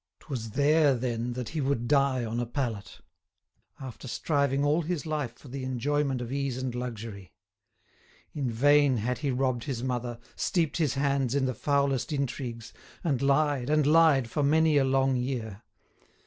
'Twas there, then, that he would die on a pallet, after striving all his life for the enjoyment of ease and luxury. In vain had he robbed his mother, steeped his hands in the foulest intrigues, and lied and lied for many a long year.